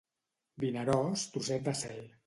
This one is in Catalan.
Vinaròs, trosset de cel.